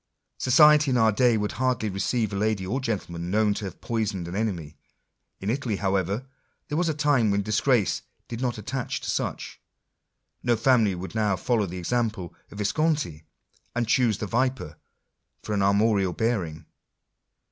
Society in our day would hardly receive a lady or gentle man known to have poisoned an enemy: in Italy, however, there was a time when disgrace did not attach to such. No family would now follow the example of the Visconti, and choose the viper for an armorial bearing.